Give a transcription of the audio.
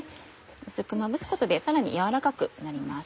薄くまぶすことでさらに軟らかくなります。